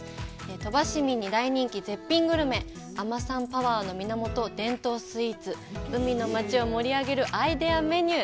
鳥羽市民に大人気、絶品グルメ、海女さんパワーの源、伝統スイーツ、海の町を盛り上げるアイデアメニュー。